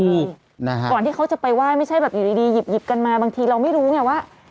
ก่อนที่เขาจะไปไหว้ไม่ใช่แบบอยู่ดีหยิบกันมาบางทีเราไม่รู้ไงว่า